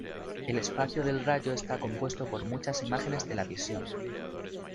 El espacio del rayo está compuesto por muchas imágenes de la visión.